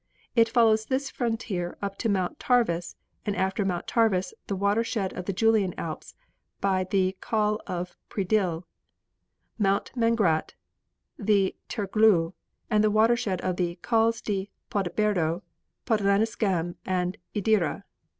It follows this frontier up to Mount Tarvis and after Mount Tarvis the watershed of the Julian Alps by the Col of Predil, Mount Mangart, the Terglou and the watershed of the Cols di Podberdo, Podlaniscam and Idria.